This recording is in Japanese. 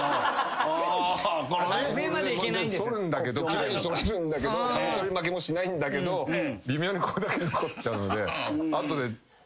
そるんだけど奇麗にそれるんだけどカミソリ負けもしないんだけど微妙にここだけ残っちゃうので後で。